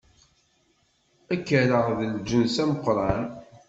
Ad k-rreɣ d lǧens ameqran.